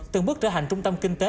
từng bước trở hành trung tâm kinh tế